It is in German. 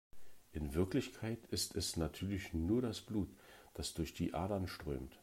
In Wirklichkeit ist es natürlich nur das Blut, das durch die Adern strömt.